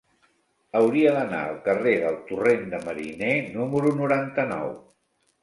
Hauria d'anar al carrer del Torrent de Mariner número noranta-nou.